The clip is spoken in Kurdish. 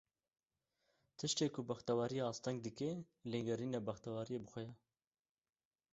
Tiştê ku bextewariyê asteng dike, lêgerîna bextewariyê bi xwe ye.